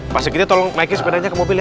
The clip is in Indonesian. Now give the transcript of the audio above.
pas segini tolong naikin sepedanya ke mobil ya